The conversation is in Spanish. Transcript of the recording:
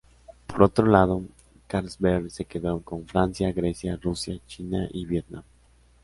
Por otro lado, Carlsberg se quedó con Francia, Grecia, Rusia, China y Vietnam.